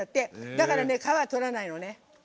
だから、皮を取らないのね。